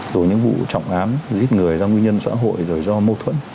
rồi những vụ trọng ám giết người do nguyên nhân xã hội rồi do mâu thuẫn